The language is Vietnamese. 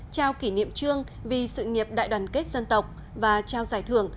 trao kỷ niệm trương vì sự nghiệp đại đoàn kết dân tộc và trao giải thưởng